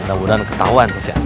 udah mudah nak ketauan tuh si acek